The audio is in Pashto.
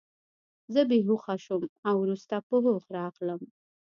زه بې هوښه شوم او وروسته په هوښ راغلم